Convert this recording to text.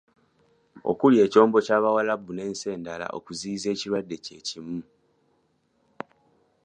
Okuli; Ekyombo kya Buwarabu, n'ensi endala okuziyiza ekirwadde kye kimu.